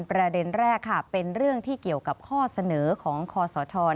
ประเด็นแรกค่ะเป็นเรื่องที่เกี่ยวกับข้อเสนอของคอสช